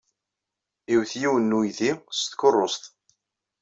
Iwet yiwen n uydi s tkeṛṛust.